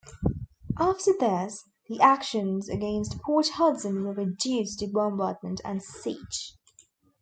After this, the actions against Port Hudson were reduced to bombardment and siege.